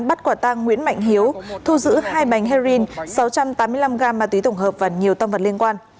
bắt quả tang nguyễn mạnh hiếu thu giữ hai bánh heroin sáu trăm tám mươi năm gam ma túy tổng hợp và nhiều tâm vật liên quan